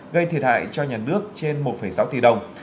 gây thiệt hại cho nhà nước trên một sáu tỷ đồng